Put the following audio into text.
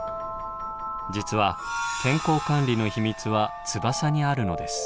実は健康管理の秘密は翼にあるのです。